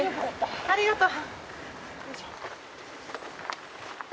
ありがとう。